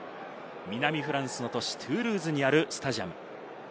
南フランスの都市・トゥールーズにあるスタジアム。